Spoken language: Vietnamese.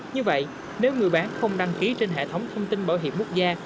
như vậy nếu người bán không đăng ký trên hệ thống thông tin bảo hiểm quốc gia